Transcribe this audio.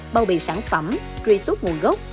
bao bì sản phẩm truy xuất nguồn gốc